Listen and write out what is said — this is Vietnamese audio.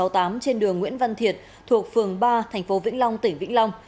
trên đường nguyễn văn thiệt thuộc phường ba tp hcm tỉnh vĩnh long